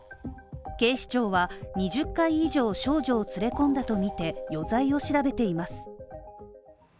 警視庁は、２０回以上、少女を連れ込んだとみて余罪を調べています。